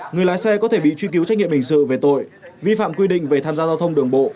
người lái xe có thể bị truy cứu trách nhiệm hình sự về tội vi phạm quy định về tham gia giao thông đường bộ